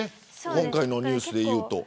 今回のニュースで言うと。